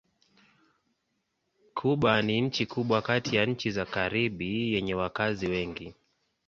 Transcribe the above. Kuba ni nchi kubwa kati ya nchi za Karibi yenye wakazi wengi.